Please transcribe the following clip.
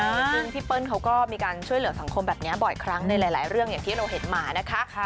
ซึ่งพี่เปิ้ลเขาก็มีการช่วยเหลือสังคมแบบนี้บ่อยครั้งในหลายเรื่องอย่างที่เราเห็นมานะคะ